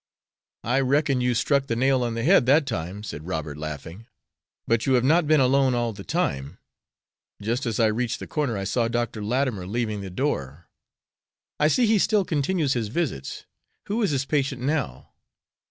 "I reckon you struck the nail on the head that time," said Robert, laughing. "But you have not been alone all the time. Just as I reached the corner I saw Dr. Latimer leaving the door. I see he still continues his visits. Who is his patient now?"